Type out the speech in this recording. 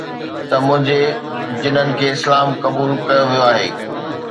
ته منهنجي جنن کي اسلام قبول ڪيو ويو آهي